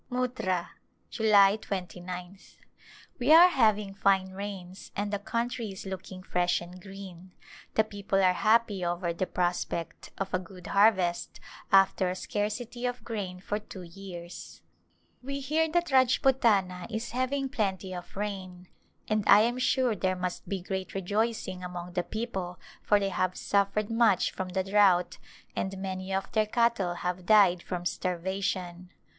A Glimpse of India Muttra^ July 2gth, We are having fine rains and the country is look ing fresh and green ; the people are happy over the prospect of a good harvest after a scarcity of grain for two years. We hear that Rajputana is having plenty of rain, and I am sure there must be great rejoicing among the people for they have suffered much from the drought and many of their cattle have died from starvation.